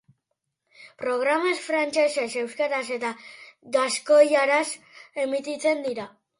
Programak frantsesez, euskaraz eta gaskoiaraz emititzen dira.